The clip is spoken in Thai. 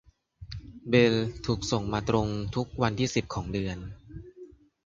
บิลถูกส่งมาตรงเวลาทุกวันที่สิบของเดือน